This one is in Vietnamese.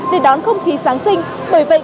để đón không khí giáng sinh bởi vậy